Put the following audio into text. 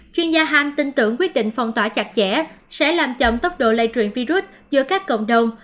chuyên gia hang tin tưởng quyết định phong tỏa chặt chẽ sẽ làm chậm tốc độ lây truyền virus giữa các cộng đồng